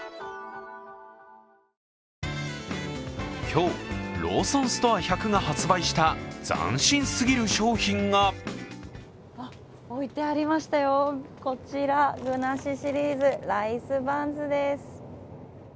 今日、ローソンストア１００が発売した斬新すぎる商品があ、置いてありましたよ、こちら具なしシリーズ、ライスバンズです。